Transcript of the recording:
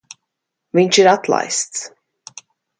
Viņš ir atlaists.